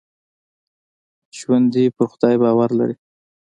ژوندي پر خدای باور لري